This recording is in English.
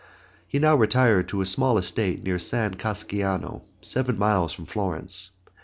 He now retired to a small estate near San Casciano, seven miles from Florence.